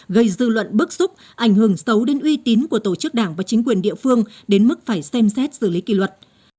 gây dư luận bức xúc ảnh hưởng xấu đến uy tín của tổ chức đảng và chính quyền địa phương đến mức phải xem xét xử lý kỷ luật